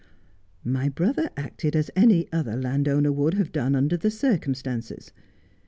' My brother acted as any other landowner would have done under the circumstances.